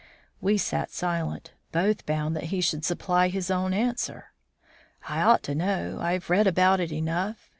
We sat silent; both bound that he should supply his own answer. "I ought to know; I've read about it enough.